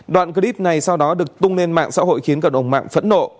đoạn clip này sau đó được tung lên mạng xã hội khiến cộng đồng mạng phẫn nộ